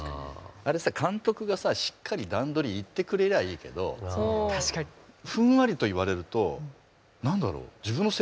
あれさ監督がさしっかり段取り言ってくれりゃいいけどふんわりと言われると何だろ自分の性癖だと思われるのも嫌だし。